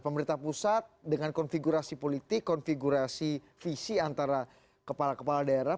pemerintah pusat dengan konfigurasi politik konfigurasi visi antara kepala kepala daerah